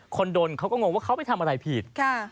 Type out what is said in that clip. คนโดนเขาก็งงว่าเขาไปทำอะไรผิด